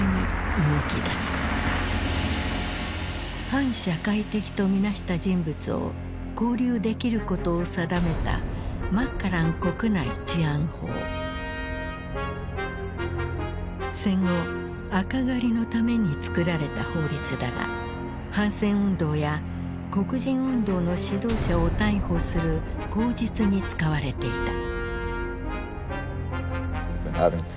反社会的と見なした人物を拘留できることを定めた戦後赤狩りのために作られた法律だが反戦運動や黒人運動の指導者を逮捕する口実に使われていた。